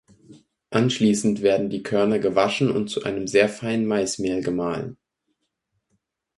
Anschließend werden die Körner gewaschen und zu einem sehr feinen Maismehl gemahlen.